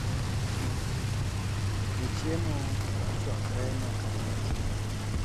we chiemo ochwakre nyaka ring'o chiegi